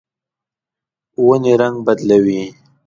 ونې رڼګ بدلوي